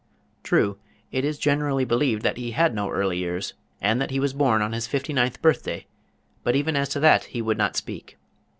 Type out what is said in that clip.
True, it is generally believed that he had no early years, and that he was born on his fifty ninth birthday, but even as to that he would not speak.